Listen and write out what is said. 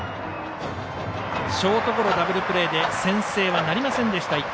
ショートゴロをダブルプレーで先制はなりませんでした。